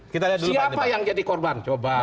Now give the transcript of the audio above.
siapa yang jadi korban